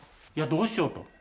「どうしよう？」と。